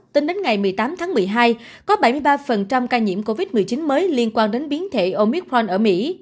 tính đến ngày một mươi tám tháng một mươi hai có bảy mươi ba ca nhiễm covid một mươi chín mới liên quan đến biến thể omicron ở mỹ